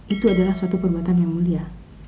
itu adalah suatu perbuatan yang mulia